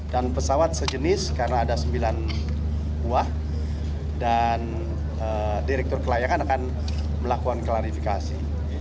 dan pesawat sejenis karena ada sembilan buah dan direktur kelayakan akan melakukan klarifikasi